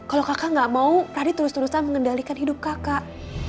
kalau kakak gak mau radi terus terusan mengendalikan hidup kakak